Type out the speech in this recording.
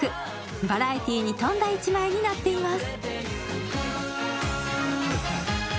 バラエティーに富んだ１枚になっています。